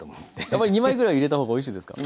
やっぱり２枚ぐらい入れた方がおいしいですか？